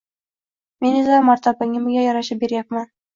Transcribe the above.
Men esa, martabamga yarasha beryapman